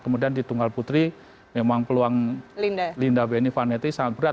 kemudian di tunggal putri memang peluang linda beni vanetti sangat berat